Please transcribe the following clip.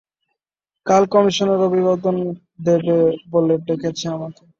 কাল কমিশনার অভিবাদন দেবে বলে ডেকেছে আমাকে।